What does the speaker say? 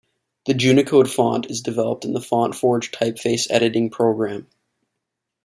The Junicode font is developed in the FontForge typeface editing program.